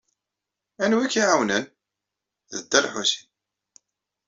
Anwa ay k-iɛawnen? D Dda Lḥusin.